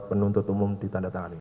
penuntut umum ditandatangani